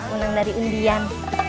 unang dari undian